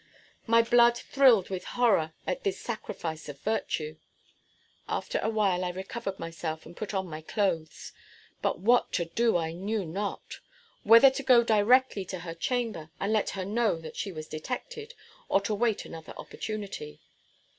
My blood thrilled with horror at this sacrifice of virtue. After a while I recovered myself, and put on my clothes. But what to do I knew not whether to go directly to her chamber, and let her know that she was detected, or to wait another opportunity.